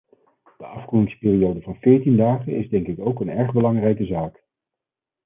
De afkoelingsperiode van veertien dagen is denk ik ook een erg belangrijke zaak.